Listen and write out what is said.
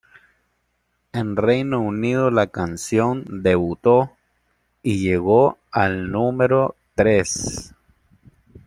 En Reino Unido la canción debutó y llegó al número tres.